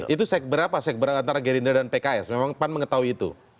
itu sekber apa sekber antara gerindra dan pks memang pan mengetahui itu